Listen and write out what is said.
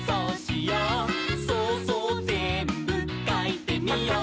「そうそうぜんぶかいてみよう」